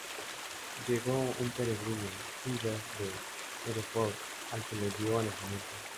Llegó un peregrino, Gilbert de Hereford, al que le dio alojamiento.